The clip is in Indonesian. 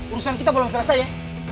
urusan kita belum selesai ya